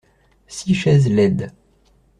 Six chaises laides.